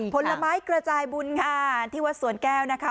ผลไม้กระจายบุญค่ะที่วัดสวนแก้วนะคะ